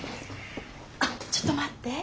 あっちょっと待って。